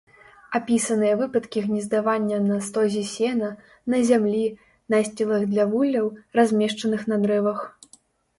Апісаныя выпадкі гнездавання на стозе сена, на зямлі, насцілах для вулляў, размешчаных на дрэвах.